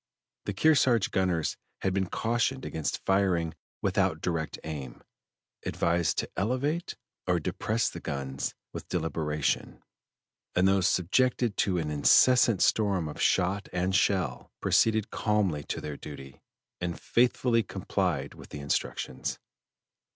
The Kearsarge gunners had been cautioned against firing without direct aim, advised to elevate or depress the guns with deliberation, and though subjected to an incessant storm of shot and shell, proceeded calmly to their duty, and faithfully complied with the instructions.